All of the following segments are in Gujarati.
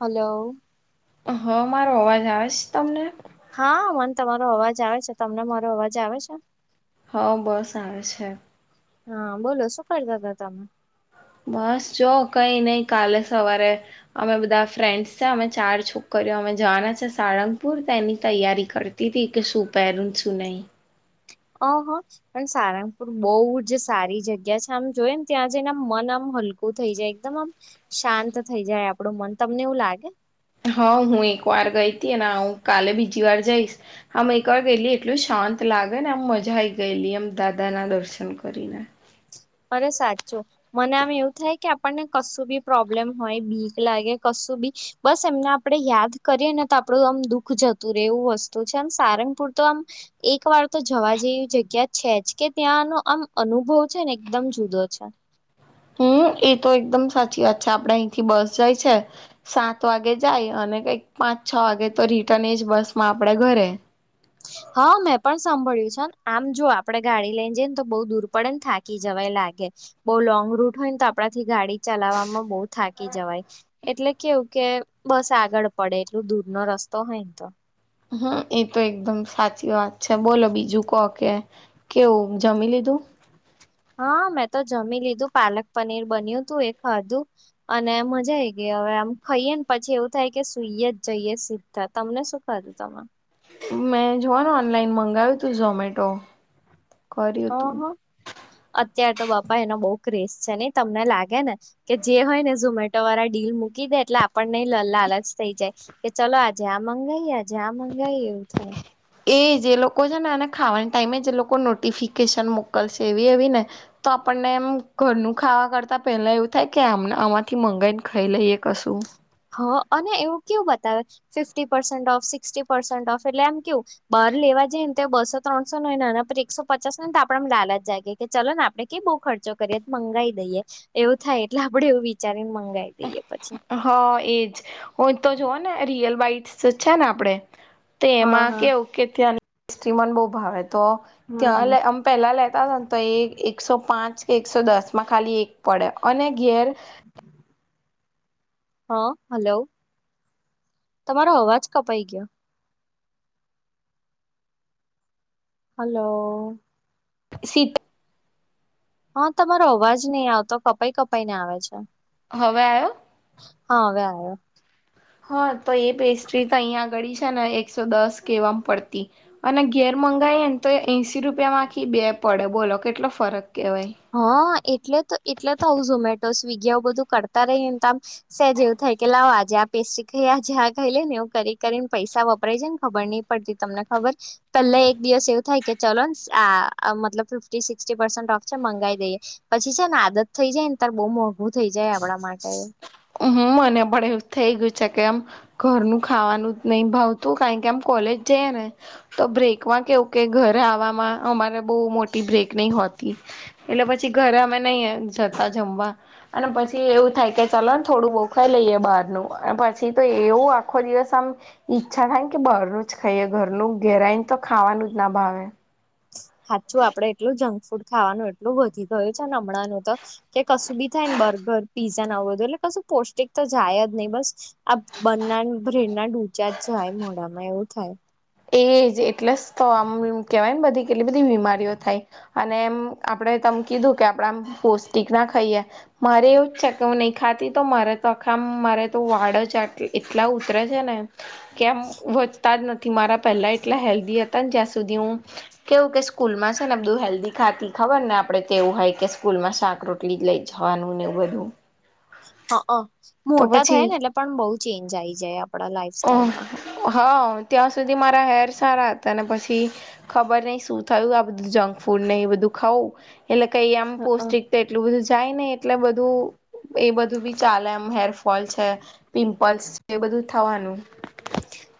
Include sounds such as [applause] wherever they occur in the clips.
હલો. હા મારો અવાજ આવે છે તમને. હા મને તમારો અવાજ આવે છે તમને મારો અવાજ આવે છે. હા બસ આવે છે. હા બોલો શું કરતા હતા તમે? બસ જો કઈ નઈ કાલે સવારે અમે બધા ફ્રેન્ડસ છે અમે ચાર છોકરીઓ અમે જવાના છે સાળંગપુર તેની તૈયારી કરતા તેથી કે સુું પહેરન છું નહી. ઓહ. પણ સારંગપુર બહુ જ સારી જગ્યા છે આમ જોઈ ને ત્યાં જઈને મન આમ હલકું થઈ જાય એકદમ આમ શાંત થઈ જાય આપડું મન તમને એવું લાગે? હં હું એકવાર ગઈ હતી અનેને હું કાલે બીજી વાર જઈશ. આમ એકવાર ગયેલી એટલું શાંત લાગે ને આમ મજા આવી ગયેલી એમ દાદા ના દર્શન કરીને. અરે સાચું. મને આમ એવું થાય કે આપણને કશું બી પ્રોબ્લેમ હોય ભીક લાગે કશું બી બસ એમને આપડણે યાદ કરીએ ને તો આપડું આમ દુઃખ જતું રહેે એવું વસ્તુ છે આમ સારંગપુર તો આમ એક વાર તો જવા જેવી જગ્યા છે જ કે ત્યાંનો આમ અનુભવ છે ને. એકદમ જુદો છે. હમ્મ એ તો એકદમ સાચી વાત છેા આપડે અહીંથી બસ જાય છે. સાત વાગે જાય અને કઈક પાંચ છ વાગે તો રિટર્ન એજ બસ માં આપડે ઘરે. હા મેં પણ સાંભળ્યું છે ને આમ જો આપડે ગાડી લઈ જઈને તો બહુ દૂર પડે ને થાકી જવાય લાગે બઉુ લોંગ રૂટ હોય ને તો આપણાથી ગાડી ચલાવવામાં બહુ થાકી જવાય. એટલે કેવું કે બસ આગળ પડે એટલું દૂર નો રસ્તો હોય ને તો. હમ એ તો એકદમ સાચી વાત છે બોલો બીજું કો કે કેવું જમી લીધું. હા મેં તો જમી લીધું પાલક પનીર બન્યું તું એ ખાધું. અને મજા આઈ ગઈ હવે આમ ખાઈએ ને પછી એવું થાય કે સુઈએ જ જઈએ સી. તમને શું ખાધું તમે. મેં જોવાનું ઓનલાઈન મંગાવ્યું હતું ઝોમેટો. કર્યું તું ઓહ અત્ય્યારે તો બાપા એનો બહ ક્રિઝ છે નઈ તમને લાગે ને. કે જે હોય ને ઝોમેટો વાળા ડીલ મૂકી દે એટલે આપણને લાલ જ થઈ જાય. કે ચલો આ જ્યાં મંગાવી આજ્યાં મંગાવાય એવું થાય. એ જે લોકો છે ને એને ખાવાની ટાઈઇમે જે લોકો નોટિફિકેશન મોકલશે એવી એવી ને તો આપણને એમ ઘરનું ખાવા કરતા પહેલા એવું થાય કે આમ આમાંથી મંગાવાઈને ખાઈ લઈએ કશું. હ અને એવું કેયું બતાવે fifty percent of sixty percent of એટલે એમ કેવું બાર લેવા જઈ ને તો બસો ત્રણસો ન હોય ને આનપર એકસો પચાસ ન હોયને તો આપડે લાલચ જાગે. કે ચલો ને આપડણે કે બઉુ ખર્ચો કરીએ મંગાવી દઈએ એવું થાય એટલે આપડે એવું વિચારી ને મંગાવી જઈએ પછી. હા એજ હું તો જોવ ને રિયલ બાઈટ્સ છે ને આપણેે તે હા એમાં હા કેવું કે ત્યાં હિસ્ટ્રી મ બહુ ભાવે તો હમ હમ ત્યાં એટ અમ. પહેલા લેતા હતા ને તો એકસો પાંચ કે એકસો દસ માં ખાલી એક પડે અને ઘેર હા હલો તમારો અવાજ કપાઈ ગયો. હલો. સીટ. હા તમારો અવાજ નહી આવતો કપાઈ કપાઈ ને આવે છે. હવે આવ્યો. હા હવે આયો. હા તો એ પેસ્ટ્રી તો અહીયાં આ ગળી છે ને એકસો દસ કેમ એવા મ પડતી અને ઘેર મંગાવાય ને તો એ એસી રૂપિયામાંખી બે પડે બોલો કેટલો ફરક કહેવાય હા એટલે તો એટલે તો આવ ઝોમેટો સ્વિગી આવ બધું કરતા રહી ને તો આમ. સે જેવું થઈ કે લાવો આજે આ પેસ્ટ્રી ખાઈ આજે આ કઈ લે ને એવું કરી કરીને પૈસા વપરાય જેને ખબર નહીં પડતી તમને ખબર. પહેલા એક દિવસ એવું થાય કે ચલો આ મતલબ ફિફ્ટી સિક્સટી પરસેન્ટ ઓફ છેમંગાઈ દઈ પછી છે ને આદત થઈ જાય ને તાર બહુ મોંઘું થઈ જાય આપણા માટે. હમ મને પણ એવું થઇ ગયું છે કેમ ઘરનું ખાવાનું નહી ભાવતું કારણ કે આમ કોલેજ જઈએ ને તો બ્રેકમાં કેવું કે ઘરે આવવામાં અમારે બહુ મોટી બ્રેક નહી હોતી. એટલે પછી ઘરે અમે નહી જતા જમવા અને પછી એવું થાય કે ચાલ ન થોડું બઉ ખાઈ લઈએ બહારનું પછી તો એવું આખો દિવસ આમ ઈચ્છા થાય ને કે બહારનું જ ખાઈએ ઘરનું ઘેરાય ને તો ખાવાનું જ ના ભાવે હાચું આપડે એટલું જંક ફૂડ ખાવાનું એટલું વધી ગયું છે હમણાંનું તો કે કશું બી થાય ને બર્ગર પીઝા નાવું બધું એટલે કશું પૌષ્ટિક તો જાય જ નહી બસ. આ બંના ભ્રેડના ડુચા જ જાય મોડામાં એવું થાય. એજ એટલેસ તો આમ કેહેવાય ને બધી કેટલી બધી બીમારીઓ થાય. અને એમ આપડે તમ કીધું કે આપણે આમ પૌષ્ટિક ના ખાઈએ. મારે એવું જ છે કે મુ નહીં ખાતી તો મારે તો આખા મારે તો વાડ જ એટલા ઉતરે છે ને એ. કેમ વધતા જ નથી મારા પહેલા એટલા હેલ્ધી હતા ને જ્યાં સુધી હું. કેવું કે સ્કૂલ માં છે ને બધું હેલ્ધી ખાતી ખબર ને આપડે તેવું હોય કે સ્કૂલમાં શાક રોટીલ. પકડી લઈ જવાનું ને બધું. હા તો મોટા પછી થયા ને એટલે પણ બહુ ચેન્જ આઈ જાય. આપડા લાઈફ ઓ સ્ટાઈલમાં હા ત્યાં સુધી મારા હેર સારા હતા ને પછી. ખબર નહ શું થયું આ બધું જંક ફૂડ નહી બધું ખાઉું એટલે કઈ આમ પૌષ્ટિક એટલું બધું જાય ને એટલે બધું. એ બધું બી ચાલે એમ હેરફોલ છે પિમ્પલ્સ છે એ બધું થવાનું.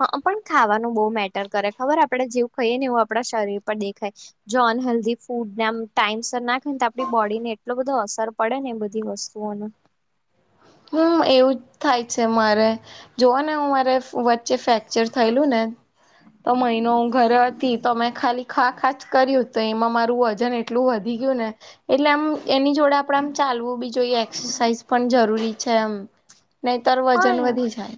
હા પણ ખાવાનું બહુ મેટર કરે ખબર આપડણેે જેવું ખાઈએ ને એવું આપણા શરીર પર દેખાય. જોન હેલ્ધી ફૂડ ના ટાઈમ સર ના. આપડી બોડી ને એટલો બધો અસર પડે ને એ બધી વસ્તુઓ ન. હમ એવું જ થાય છે મારે. જો ને હું મારે વચ્ચે ફ્રેક્ચર થયેલું ને. તો મહિનો ઘરે હતી તો મેમે ખાલી ખા ખાચ કર્યું તો એમાં મારું વજન એટલું એટલું વધી ગયું ને એટલે આમ એની જોડે આપણેે આમ ચાલવું બી જોઈએ એક્સરસાઇઝ પણ જરૂરી છે એમ. નહીતર વજન હા વધી જાય.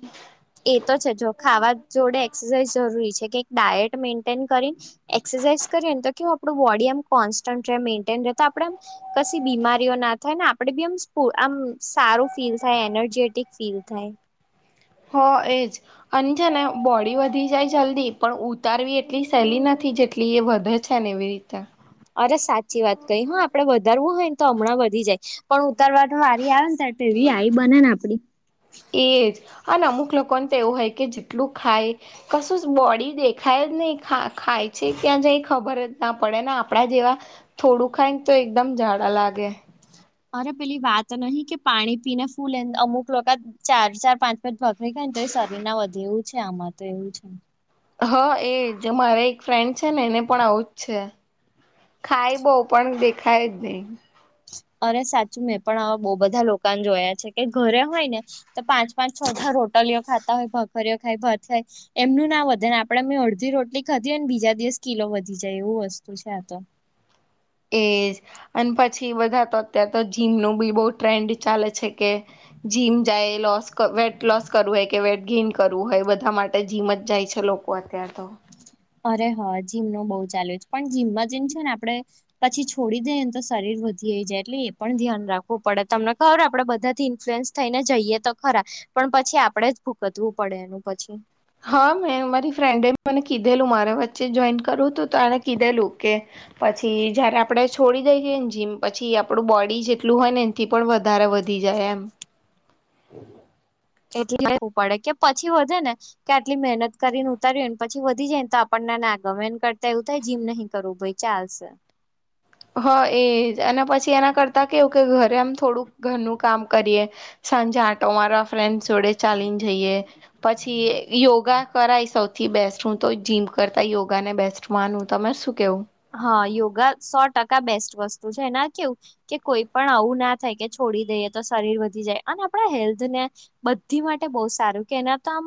એ તો છે જો ખાવા જોડે એક્સરસાઇઝ જરૂરી છે કે ડાયટ મેન્ટેન કરીને એક્સરસાઇઝ કરીએને તો કેવું આપ બોડી એમ કોન્સ્ટન્ટ મેન્ટેન રહે તો આપડે આમ કશી બીમારીઓ ના થાય ને આપડે બી આમ આમ સારું ફીલ થાય એનર્જેટિક ફીલ થાય. હ એજ. અને છે ને બોડી વધી જાય જલ્દી પણ ઉતારવી એટલી સહેલી નથી જેટલી એ વધે જ છે ને એવી રીત ન. અરે સાચી વાત કહી હ આપડે વધારવું હોય ને તો હમણાં વધી જાય પણ ઉતારવામાં વારી આવે ને તવી આવી બને ને આપડી. એ જ અને અમુક લોકોને તો એવું હોય કે જેટલું ખાય. કશું જ બોડી દેખાય જ નહીં ખાય છે ક્યાં જ ખબર જ ના પડે ને આપણા જેવા થોડું ખાઈ તો એકદમ ઝાડા લાગે. અરે પેલી વાત નહિ કે પાણી પીને ફૂલ અમુક લોકા ચાર ચાર પાંચ પાંચ ભાખરી ખાય ને તો એ શરીર ના વધે એવું છે આમાં તો એવું છે. હા એ જે મારે એક ફ્રેન્ડ છે ને એને પણ આવું જ છે. ખાય બહ પણ દેખાય જ નહી. અરે સાચું મેં પણ આવા બહુ બધા લોકોને જોયા છે કે ઘરે હોય ને. તો પાંચ પાંચ છઢા રોટલીઓ ખાતા હોય ભખરીઓ ખાય ભત ખાય. એમનું ના વધે ને આપડે મેં અડધી રોટલી ખાધી હો ને બીજા દિવસ કિલો વધી જાય એવું વસ્તુ છે આ તો. એ અને પછી બધા તો અત્યારે તો જીમનું બી બહ ટ્રેન્ડ ચાલે છે કે જીમ જાય લોસ વેટ લોસ કરવું હોય કે વેટ ગેઇન કરવું હોય બધા માટે જીમ જ જાય છે લોકો અત્યાર તો. અરે હા જીમ નો બહુ ચાલુ છે પણ જીમમાં જેમ છે ને આપડે પછી છોડી દે ને તો શરીર વધીઈ જાય એટલે એ પણ ધ્યાન રાખવું પડે તમને ખબર આપે બધા થી ઇન્ફ્લુઅન્સ થઈને જઈએ તો ખરા પણ પછી આપણેે જ ભૂકતવું પડે એનું પછી. હા મેં મારી ફ્રેન્ડે મ કીધેલું મારા વચ્ચે જોઈન કરવુ તુ તને કીધેલુંકે પછી જયારે આપડે છોડી દઈઈએ ને જીમ પછી આપડું બોડી જેટલું હોય ને થી પણ વધારે વધી જાય એમ. એટલે લેવું પડે કે પછી વધે ને કે આટલી મહેનત કરીને ઉતારીને પછી વધી જાયને તો આપણનેને આગમન કરતા એવું થાય જીમ નહીં કરવું ભાઈ. ચાલસે. હ એજ અને પછી એના કરતા કેવું કે ઘરે આમ થોડુંક ઘરનું કામ કરીએ. સાંજે આઠ મારા ફ્રેન્ડ જોડે ચાલીને જઈએ પછી યોગા કરાય સૌથી બેસ્ટ હું તો જીમ કરતાં યોગાને બેસ્ટ માનું તમારે શું કહેવું? હા યોગા સો ટકા બેસ્ટ વસ્તુ છે એના કેવું કે કોઈ પણ આવું ના થાય કે છોડી દઈએ તો શરીર વધી જાય અને આપણા હેલ્થ ને બધી માટે બહુ સારું કે એના તો આમ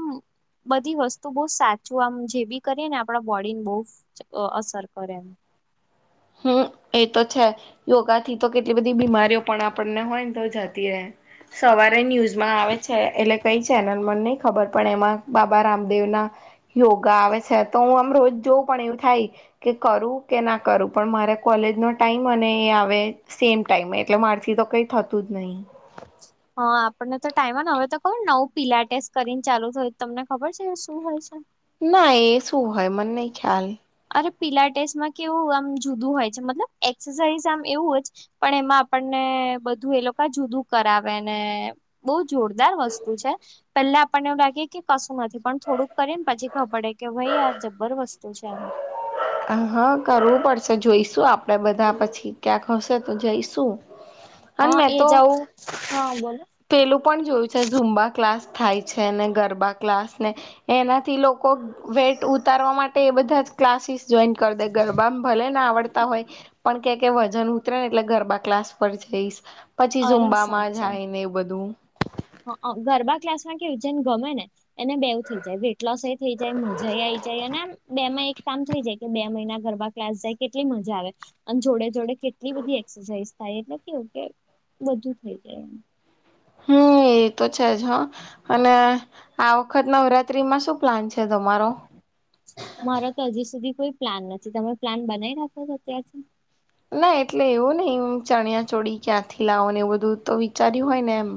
બધી વસ્તુ બહ સાચું આમ જે બી કરીએ ને આપણા બોડી ને બહ અસર અરે હમ એ તો છે. યોગા થી તો કેટલી બધી બીમારીઓ પણ આપણને હોય ને તો જતી રહે સવારે ન્યૂઝમાં આવે છે એટલે કઈ ચેનલમાં નહી ખબર પણ એમાં બાબા રામદેવના યોગા આવે છે તો હું આમ રોજ જોઉં પણ એવું થાય કે કરું કે ના કરું પણ મારે કોલેજનો ટાઈમ અને એ આવે સેમ ટાઈમ એટલે મારથી તો કંઈ થતું જ નહી હા આપણને તો ટાઈમ ને હવે તો ખબર નવું પીલા ટેસ્ટ કરીને ચાલુ થય તમને ખબર છે શું હોય છે. ના એ શું હોય મને નહી ખ્યાલ અરે પીલા ટેસ્ટમાં કેવું આમ જુદું હોય છે મતલબ એક્સરસાઝ આમ એવું જ પણ એમાં આપણને બધું એ લોકો જુદું કરાવે ને બહુ જોરદાર વસ્તુ છે. પેલા આપણને એવુ લાગે કે કશું નથી પણ થોડુંક કરી ને પછી ખબર પડે કે ભાઈ આ જબર વસ્તુ છેં આમ હ હા કરવું પડશે જોઈશું આપણેે બધા પછી ક્યાંક હશે તો જઈશું. [inaudible] હા એ તો જાઉ હા બોલો પેલું પણ જોયું છે ઝૂમબા ક્લાસ થાય છે ને ગરબા ક્લાસ ને એનાથી લોકો વેટ ઉતારવા માટે એ બધા જ ક્લાસીસ જોઈન કરી દે ગરબામાં ભલે ને આવડતા હોય પણ કે કે વજન ઉતરે ને એટલે ગરબા ક્લાસ પર જઈશ પછી અરે ઝુંમબામાં સાચે જાય ને એ બધું હ ગરબા ક્લાસ માં કેવુ જન ગમે ને એને બેવું થઈ જાય વેટ લોસ એ થઈ જાય મજા આઈ જાય અને બે માં એક કામ થઈ જાય કે બે મહિના ગરબા ક્લાસ જાય કેટલી મજા આવે. અને જોડે જોડે કેટલી બધી એક્સરસાઇઝ થાય એટલે કેવું કે વધુ થઈ જાય એ હમ્મ એ તો છે જ હા અને આ વખત નવરાત્રીમાં શું પ્લાન છે તમારો મારા તો હજી સુધી કોઈ પ્લાન નથી તમે પ્લાન બનાવી નાખો છો અત્યાર્થી ના એટલે એવું નહિ ચણિયા ચોળી ક્યાંથી લાવો ને એવું બધું તો વિચાર્યું હોય ને એમ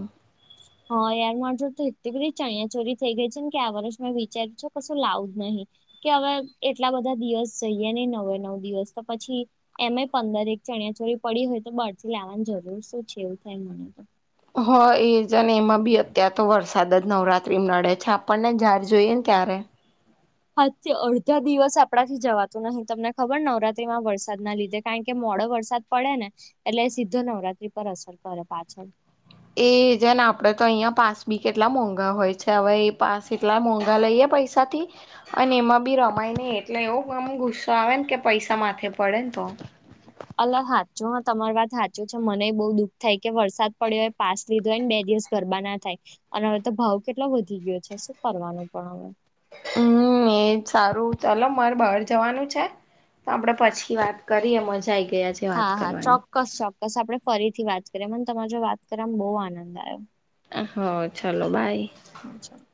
હા યાર માર જોડે તો એટલી બઘી ચણયા ચોરી થઈ ગઈ છે કે આ વર્ષ મેં વિચાર્યું છે કશું લાવું જ નહી કે હવે એટલા બધા દિવસ જઈએ ની નવે નવ દિવસ તો પછી એમે પંદર એક ચણિયા ચોરી પડી હોય તો બાર થી લેવાની જરૂર શું છે એવું થાય મને તો હ એ જ એમાં બી અત્યાર તો વરસાદ જ નવરાત્રી નડે મા છે આપણને જાર જોઈએ ને ત્યારે હજથી અડધા દિવસ આપણાથી જવાતું નહી તમને ખબર નવરાત્રીમાં વરસાદ ના લીધે કારણ કે મોડો વરસાદ પડે ને એટલે સીધો નવરાત્રી પર અસર પડે પાછળ એ જેને આપડે તો અહિયાં પાસ બી કેટલા મોંઘા હોય છે હવે એ પાસ એટલા મોંઘા લઈએ પૈસા સાથે અને એમાં બી રમાય નહી એટલે એવો ગમ ગુસ્સો આવે ને કે પૈસા માથે પડે ને તો અલગ સાાચો તમારી વાત સાાચો છે મને બહુ દુઃખ થાય કે વરસાદ પડ્યો હોય પાસ લીધો હોય ને બે દિવસ ગરબા ના થાય અને હવે તો ભાવ કેટલો વધી ગયો છે શું કરવાનો પણ હવે હમ્મ એજ સારું ચાલો મારે બહાર જવાનું છે. તો આપડે પછી વાત કરીએ મજાા આઈ ગએ આજ. હા હા ચોક્કસ ચોક્કસ આપડણે ફરીથી વાત કરીએ મને તમા જો વાત કરવાવામાં બહુ આનંદ આવ્યો. હ ચાલો બાય હા ચાલ